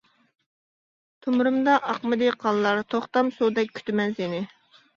تومۇرۇمدا ئاقمىدى قانلار، توختام سۇدەك كۈتىمەن سېنى.